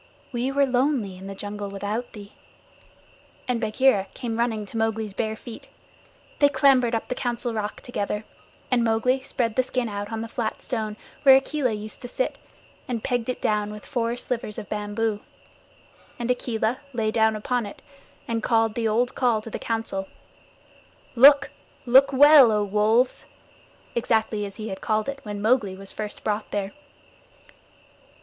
"We were lonely in the jungle without thee," and Bagheera came running to Mowgli's bare feet. They clambered up the Council Rock together, and Mowgli spread the skin out on the flat stone where Akela used to sit, and pegged it down with four slivers of bamboo, and Akela lay down upon it, and called the old call to the Council, "Look look well, O Wolves," exactly as he had called when Mowgli was first brought there.